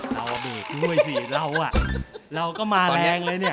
เธอมาแรงแหละเนี่ย